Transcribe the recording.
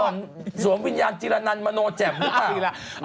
หล่อนสวมวิญญาณจิรณานมาโนแจบหรือเปล่า